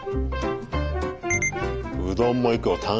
うどんもいくよ。